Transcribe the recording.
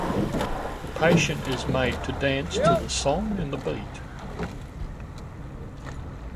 The patient is made to dance to the song and the beat.